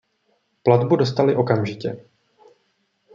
Platbu dostali okamžitě.